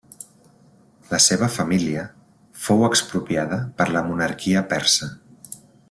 La seva família fou expropiada per la monarquia persa.